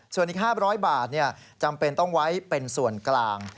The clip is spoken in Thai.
ส่วนอีก๕๐๐บาทจำเป็นต้องไว้เป็นส่วนกลาง